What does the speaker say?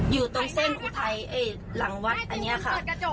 อยู่ตรงเส้นอุทัยหลังวัดอันนี้ค่ะ